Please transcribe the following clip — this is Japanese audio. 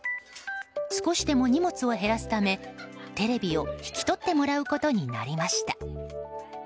少しでも荷物を減らすためテレビを引き取ってもらうことになりました。